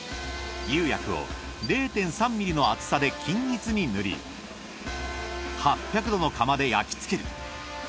釉薬を０．３ミリの厚さで均一に塗り８００℃の窯で焼き付ける。